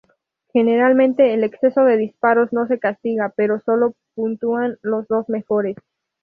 Generalmente, el exceso de disparos no se castiga, pero solo puntúan los dos mejores.